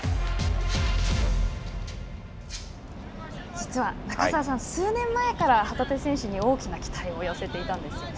実は中澤さん、数年前から旗手選手に大きな期待を寄せていたんですよね。